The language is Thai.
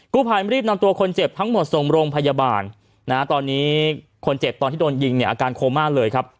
ผู้ภัยรีบนำตัวคนเจ็บทั้งหมดส่งโรงพยาบาลนะฮะตอนนี้คนเจ็บตอนที่โดนยิงเนี่ยอาการโคม่าเลยครับ